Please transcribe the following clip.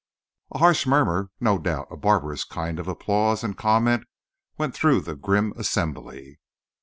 A harsh murmur—no doubt a barbarous kind of applause and comment—went through the grim assembly.